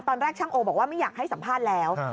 ตอนแรกช่างโอบอกว่าไม่อยากให้สัมภาษณ์แล้ว